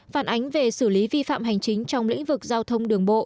phản ánh về xử lý vi phạm hành chính trong lĩnh vực giao thông đường bộ